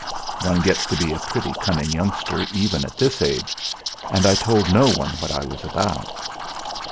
One gets to be a pretty cunning youngster, even at this age, and I told no one what I was about.